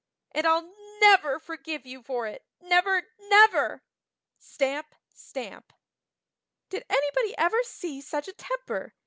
And I'll never forgive you for it, never, never!" Stamp! Stamp! "Did anybody ever see such a temper!"